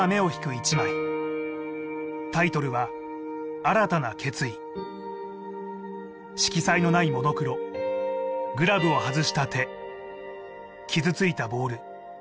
１枚タイトルは色彩のないモノクログラブを外した手傷ついたボール